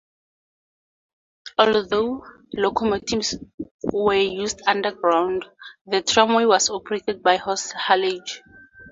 Although locomotives were used underground, the tramway was operated by horse haulage.